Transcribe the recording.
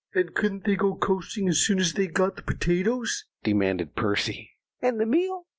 "And couldn't they go coasting as soon as they got the potatoes?" demanded Percy. "And the meal?"